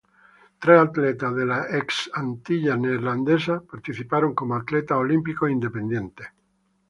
Tres atletas de las ex Antillas Neerlandesas participaron como atletas olímpicos independientes.